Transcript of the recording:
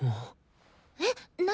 えっ何？